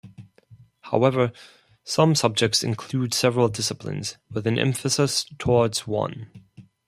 However, some subjects include several disciplines, with an emphasis towards one.